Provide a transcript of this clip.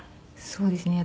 そうですね。